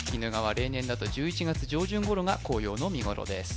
例年だと１１月上旬頃が紅葉の見頃です